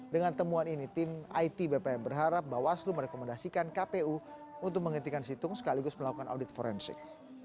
dengan temuan ini tim it bpm berharap bawaslu merekomendasikan kpu untuk menghentikan situng sekaligus melakukan audit forensik